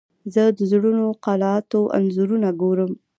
زه د زړو قلعاتو انځورونه ګورم.